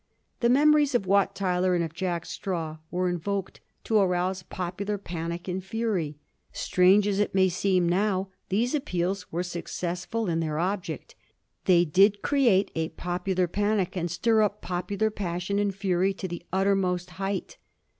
The memories of Wat Tyler and of Jack Straw were invoked to arouse popular panic and fury. Strange as it may now seem, these appeals were successful in their object; they did create a popular panic, and stir up popular passion and fary to the uttermost height.